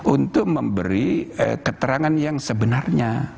untuk memberi keterangan yang sebenarnya